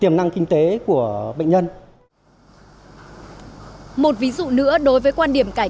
tiềm năng kinh tế của bệnh nhân một ví dụ nữa đối với quan điểm cải